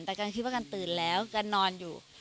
แต่กันคิดว่ากันตื่นแล้วกันนอนอยู่